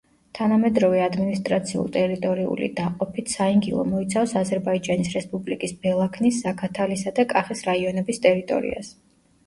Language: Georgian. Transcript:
თანამედროვე ადმინისტრაციულ-ტერიტორიული დაყოფით საინგილო მოიცავს აზერბაიჯანის რესპუბლიკის ბელაქნის, ზაქათალისა და კახის რაიონების ტერიტორიას.